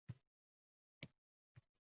Bag‘ri kenglikda hech qiyosing yo‘qdir